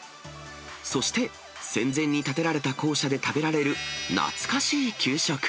そして、戦前に建てられた校舎で食べられる、懐かしい給食。